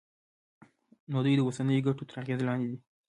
نو دوی د اوسنیو ګټو تر اغېز لاندې ندي.